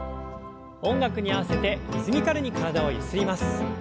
音楽に合わせてリズミカルに体をゆすります。